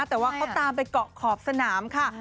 แต่ว่าเขาตามไปเกาะขอบสนามค่ะ